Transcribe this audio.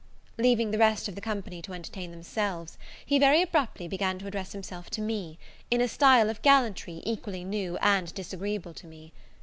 Leaving the rest of the company to entertain themselves, he very abruptly began to address himself to me, in a style of gallantry equally new and disagreeable to me.